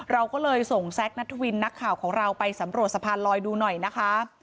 เราก็เลยส่งแซคนัทวินนักข่าวของเราไปสำรวจสะพานลอยดูหน่อยนะคะ